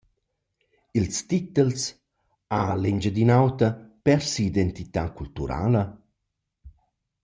Ils titels: «Ha l’Engiadin’Ota pers sia identità culturala?»